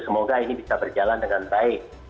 semoga ini bisa berjalan dengan baik